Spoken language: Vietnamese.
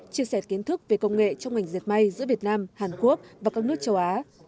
chia sẻ kiến thức về công nghệ trong ngành dệt may giữa việt nam hàn quốc và các nước châu á